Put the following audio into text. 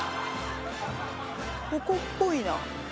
ここっぽいな。